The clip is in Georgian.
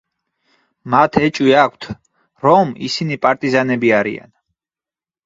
მათ ეჭვი აქვთ, რომ ისინი პარტიზანები არიან.